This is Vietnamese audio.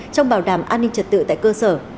trong bảo đảm an ninh trật tự tại cơ sở